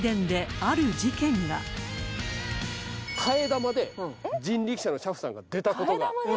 替え玉で人力車の車夫さんが出たことが。